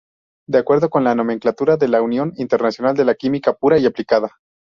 De acuerdo con la nomenclatura de la Unión Internacional de Química Pura y Aplicada.